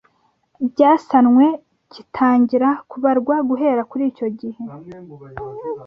byasanwe gitangira kubarwa guhera kuri cyo gihe